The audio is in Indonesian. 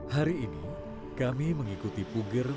hari ini kami mengikuti puger